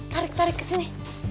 tarik tarik kesini